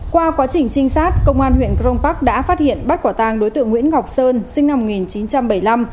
qua quá trình trinh sát công an huyện crong park đã phát hiện bắt quả tàng đối tượng nguyễn ngọc sơn sinh năm một nghìn chín trăm bảy mươi năm